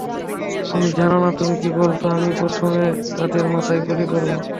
তুমি জানো না তুমি কি বলতেছো আমিই প্রথমে তাদের মাথায় গুলি করব।